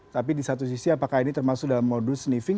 tapi di satu sisi apakah ini termasuk dalam modus sniffing